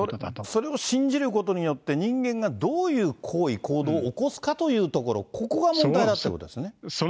それを信じることによって、人間がどういう行為、行動を起こすかというところ、ここが問題だっていうことですよね。